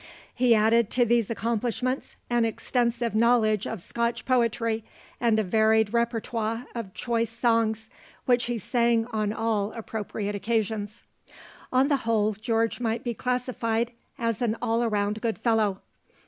He added to these accomplishments an extensive knowledge of Scotch poetry and a varied repertoire of choice songs, which he sang on all appropriate occasions. On the whole, George might be classified as an all around good fellow.